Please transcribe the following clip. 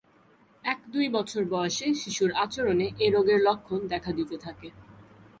এক-দুই বছর বয়সে শিশুর আচরণে এ রোগের লক্ষণ দেখা দিতে থাকে।